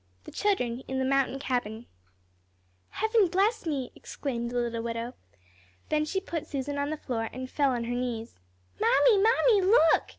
XIV THE CHILDREN IN THE MOUNTAIN CABIN "Heaven bless me!" exclaimed the little widow. Then she put Susan on the floor, and fell on her knees. "Mammy, Mammy, look!"